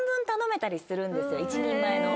１人前の。